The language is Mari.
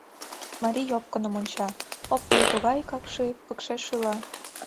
Марий опкыным онча: опкын тугай какши, пыкше шӱла.